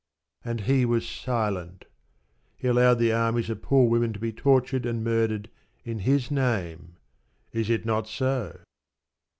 And He was silent. He allowed the armies of poor women to be tortured and murdered in His name. Is it not so?